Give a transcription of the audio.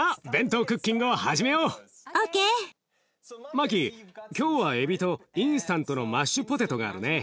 マキ今日はエビとインスタントのマッシュポテトがあるね。